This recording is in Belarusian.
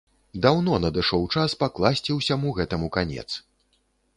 Даўно надышоў час пакласці ўсяму гэтаму канец.